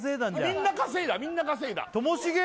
みんな稼いだみんな稼いだともしげ